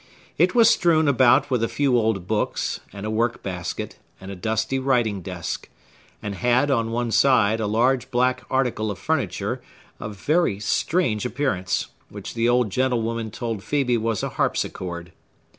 It was strewn about with a few old books, and a work basket, and a dusty writing desk; and had, on one side, a large black article of furniture, of very strange appearance, which the old gentlewoman told Phœbe was a harpsichord.